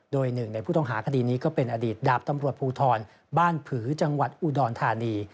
โดยหนึ่งในผู้ต้องหาคดีนี้ก็เป็นอดีตดาบตำรวจภูทรบ้านผือจังหวัดอุดรธานี